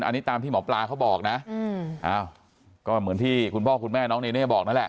อันนี้ตามที่หมอปลาเขาบอกนะก็เหมือนที่คุณพ่อคุณแม่น้องเนเน่บอกนั่นแหละ